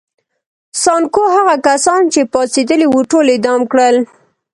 سانکو هغه کسان چې پاڅېدلي وو ټول اعدام کړل.